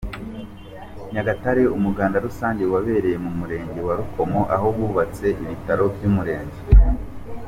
Nyagatare umuganda rusange wabereye mu murenge wa Rukomo aho bubatse ibiro by’umurenge.